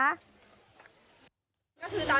ก็คือตอนนี้เทรนถูกเพย์สักหนี่บ้างถูกไหมคะถูกไหมคะ